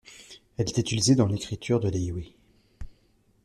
Elle était utilisée dans l’écriture de l’éwé.